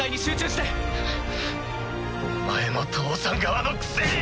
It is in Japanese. くっお前も父さん側のくせに！